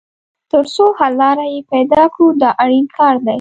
تر څو حل لاره یې پیدا کړو دا اړین کار دی.